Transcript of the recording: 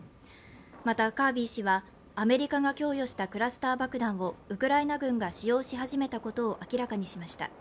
また、カービー氏はアメリカが供与したクラスター爆弾をウクライナ軍が使用し始めたことを明らかにしました。